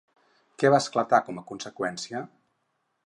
Què va esclatar com a conseqüència?